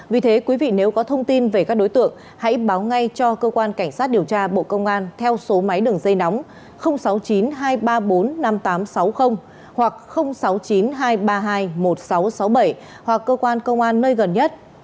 vì thế quý vị nếu có thông tin về các đối tượng hãy báo ngay cho cơ quan cảnh sát điều tra bộ công an theo số máy đường dây nóng sáu mươi chín hai trăm ba mươi bốn năm nghìn tám trăm sáu mươi hoặc sáu mươi chín hai trăm ba mươi hai một nghìn sáu trăm sáu mươi bảy hoặc cơ quan công an nơi gần nhất